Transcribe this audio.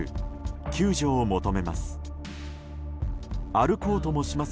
救助を求めます。